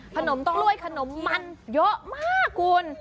ขนมต้วยขนมมันมันยกมากคุณ